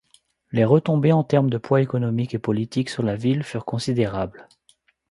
Les retombées en termes de poids économique et politique sur la ville furent considérables.